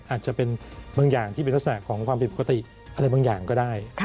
อาจจะเป็นบางอย่างที่เป็นลักษณะของความผิดปกติอะไรบางอย่างก็ได้